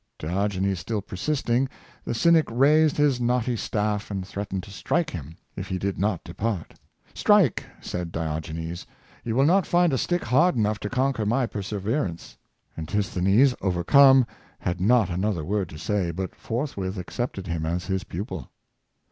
Diogenes still persisting, the cynic raised his knotty staff and threatened to strike him if he did not depart. "Strike!" said Diogenes; "you will not find a stick hard enough to conquer my per severance." Antisthenes, overcome, had not another word to say, but forthwith accepted him as his pupil.